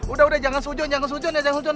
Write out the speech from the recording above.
udah udah jangan sujun jangan sujun ya jangan sujun